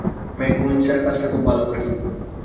ম্যাকগুইনেসরা কাজটা খুব ভালো করছেন।